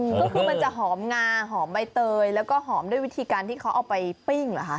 ก็คือมันจะหอมงาหอมใบเตยแล้วก็หอมด้วยวิธีการที่เขาเอาไปปิ้งเหรอคะ